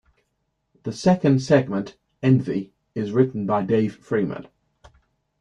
The second segment, "Envy", is written by Dave Freeman.